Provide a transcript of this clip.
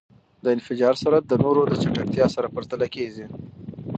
د انفجار سرعت د نور د چټکتیا سره پرتله کېږی.